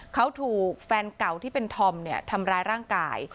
เขาถูกแฟนเก่าที่เป็นธอมทำร้ายร่างกาย